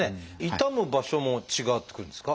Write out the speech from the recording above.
痛む場所も違ってくるんですか？